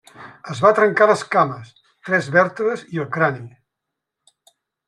Es va trencar les cames, tres vèrtebres i el crani.